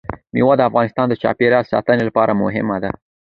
مېوې د افغانستان د چاپیریال ساتنې لپاره مهم دي.